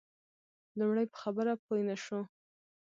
لومړی په خبره پوی نه شو.